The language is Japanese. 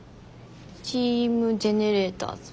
チーム・ジェネレーターズ。